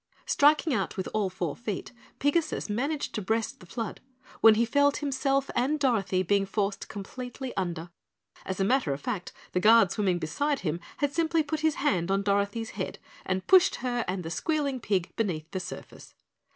Striking out with all four feet, Pigasus managed to breast the flood, when he felt himself and Dorothy being forced completely under. As a matter of fact, the Guard swimming beside him had simply put his hand on Dorothy's head and pushed her and the squealing pig beneath the surface.